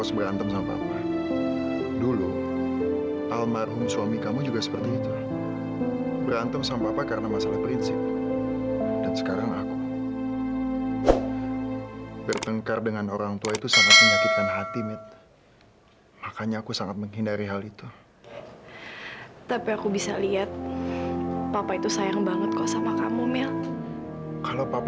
sampai jumpa di video selanjutnya